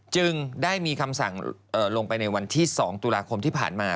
จึงได้มีคำสั่งลงไปในวันที่๒ตุลาคมที่ผ่านมา